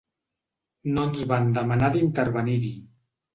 No ens van demanar d’intervenir-hi.